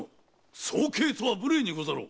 早計とは無礼にござろう。